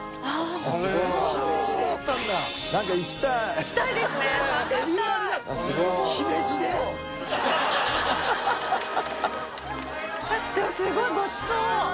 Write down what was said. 押切）でもすごいごちそう！